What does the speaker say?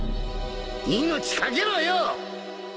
命懸けろよ！